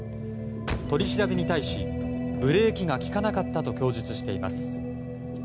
取り調べに対しブレーキが利かなかったと供述しています。